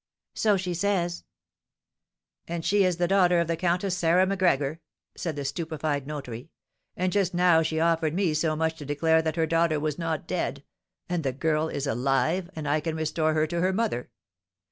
"So she says." "And she is the daughter of the Countess Sarah Macgregor!" said the stupefied notary; "and just now she offered me so much to declare that her daughter was not dead; and the girl is alive, and I can restore her to her mother!